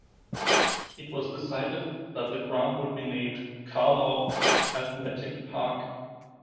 It was decided that the ground would be named ‘Carlaw Athletic Park’.